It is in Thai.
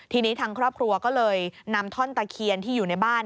ทีนี้ทางครอบครัวก็เลยนำท่อนตะเคียนที่อยู่ในบ้าน